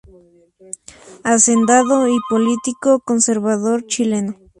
Hacendado y político conservador chileno.